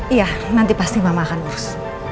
iya nanti pasti mama akan bos